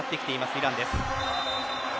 イランです。